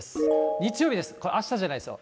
日曜日です、これ、あしたじゃないですよ。